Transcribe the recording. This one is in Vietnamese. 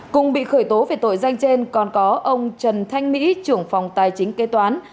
cùng bị khởi tố về tội danh trên còn có ông trần thanh mỹ trưởng phòng tài chính kế toán